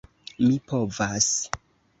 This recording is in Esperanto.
Mi povas.